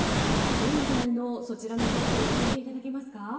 現在のそちらの状況を教えていただけますか？